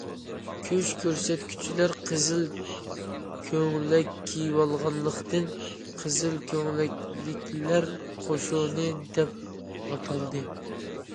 كۈچ كۆرسەتكۈچىلەر قىزىل كۆڭلەك كىيىۋالغانلىقتىن‹‹ قىزىل كۆڭلەكلىكلەر قوشۇنى››، دەپ ئاتالدى.